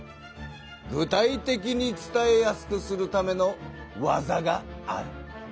具体的に伝えやすくするための技がある。